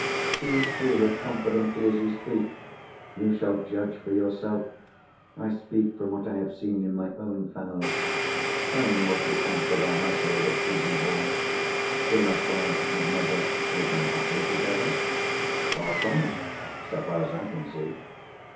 "Do you feel as confidently as you speak?" "You shall judge for yourself. I speak from what I have seen in my own family. Tell me what you think of our household at Frizinghall. Do my father and mother live unhappily together?" "Far from it—so far as I can see."